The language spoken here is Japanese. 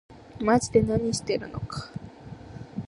まぢで何してるのか